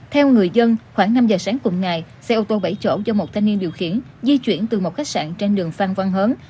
theo người dân khoảng năm giờ sáng cùng ngày xe ô tô bảy chỗ do một thanh niên điều khiển di chuyển từ một khách sạn trên đường phan văn hớn